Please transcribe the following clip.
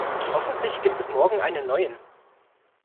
Hoffentlich gibt es morgen einen neuen.